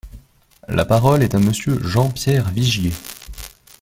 La parole est à Monsieur Jean-Pierre Vigier.